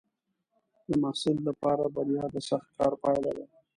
د محصل لپاره بریا د سخت کار پایله ده.